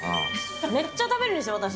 めっちゃ食べるでしょ、私。